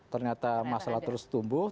ternyata masalah terus tumbuh